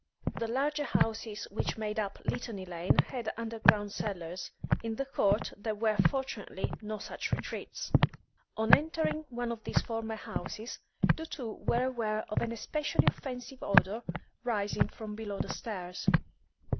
The larger houses which made up Litany Lane had underground cellars; in the court there were fortunately no such retreats. On entering one of these former houses, the two were aware of an especially offensive odour rising from below the stairs.